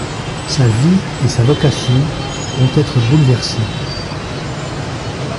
Sa vie et sa vocation vont être bouleversées.